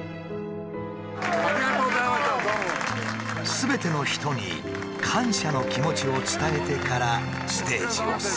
「すべての人に感謝の気持ちを伝えてからステージを去る」。